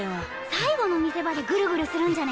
最後の見せ場でグルグルするんじゃね？